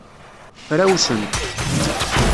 Frawsent.